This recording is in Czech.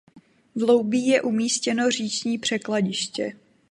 V Loubí je umístěno říční překladiště.